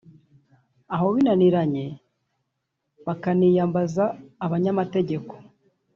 aho binaniranye bakaniyambaza abanyamategeko